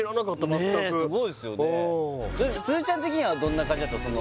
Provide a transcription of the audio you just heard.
すずちゃん的にはどんな感じだったの？